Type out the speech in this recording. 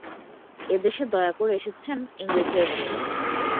এ দেশে দয়া করে এসেছেন, ইংরেজের মত।